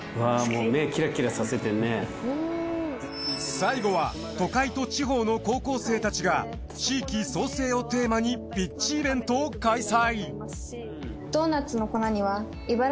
最後は都会と地方の高校生たちが地域創生をテーマにピッチイベントを開催。